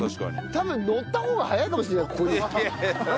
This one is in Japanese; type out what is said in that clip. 多分乗った方が速いかもしれないここに。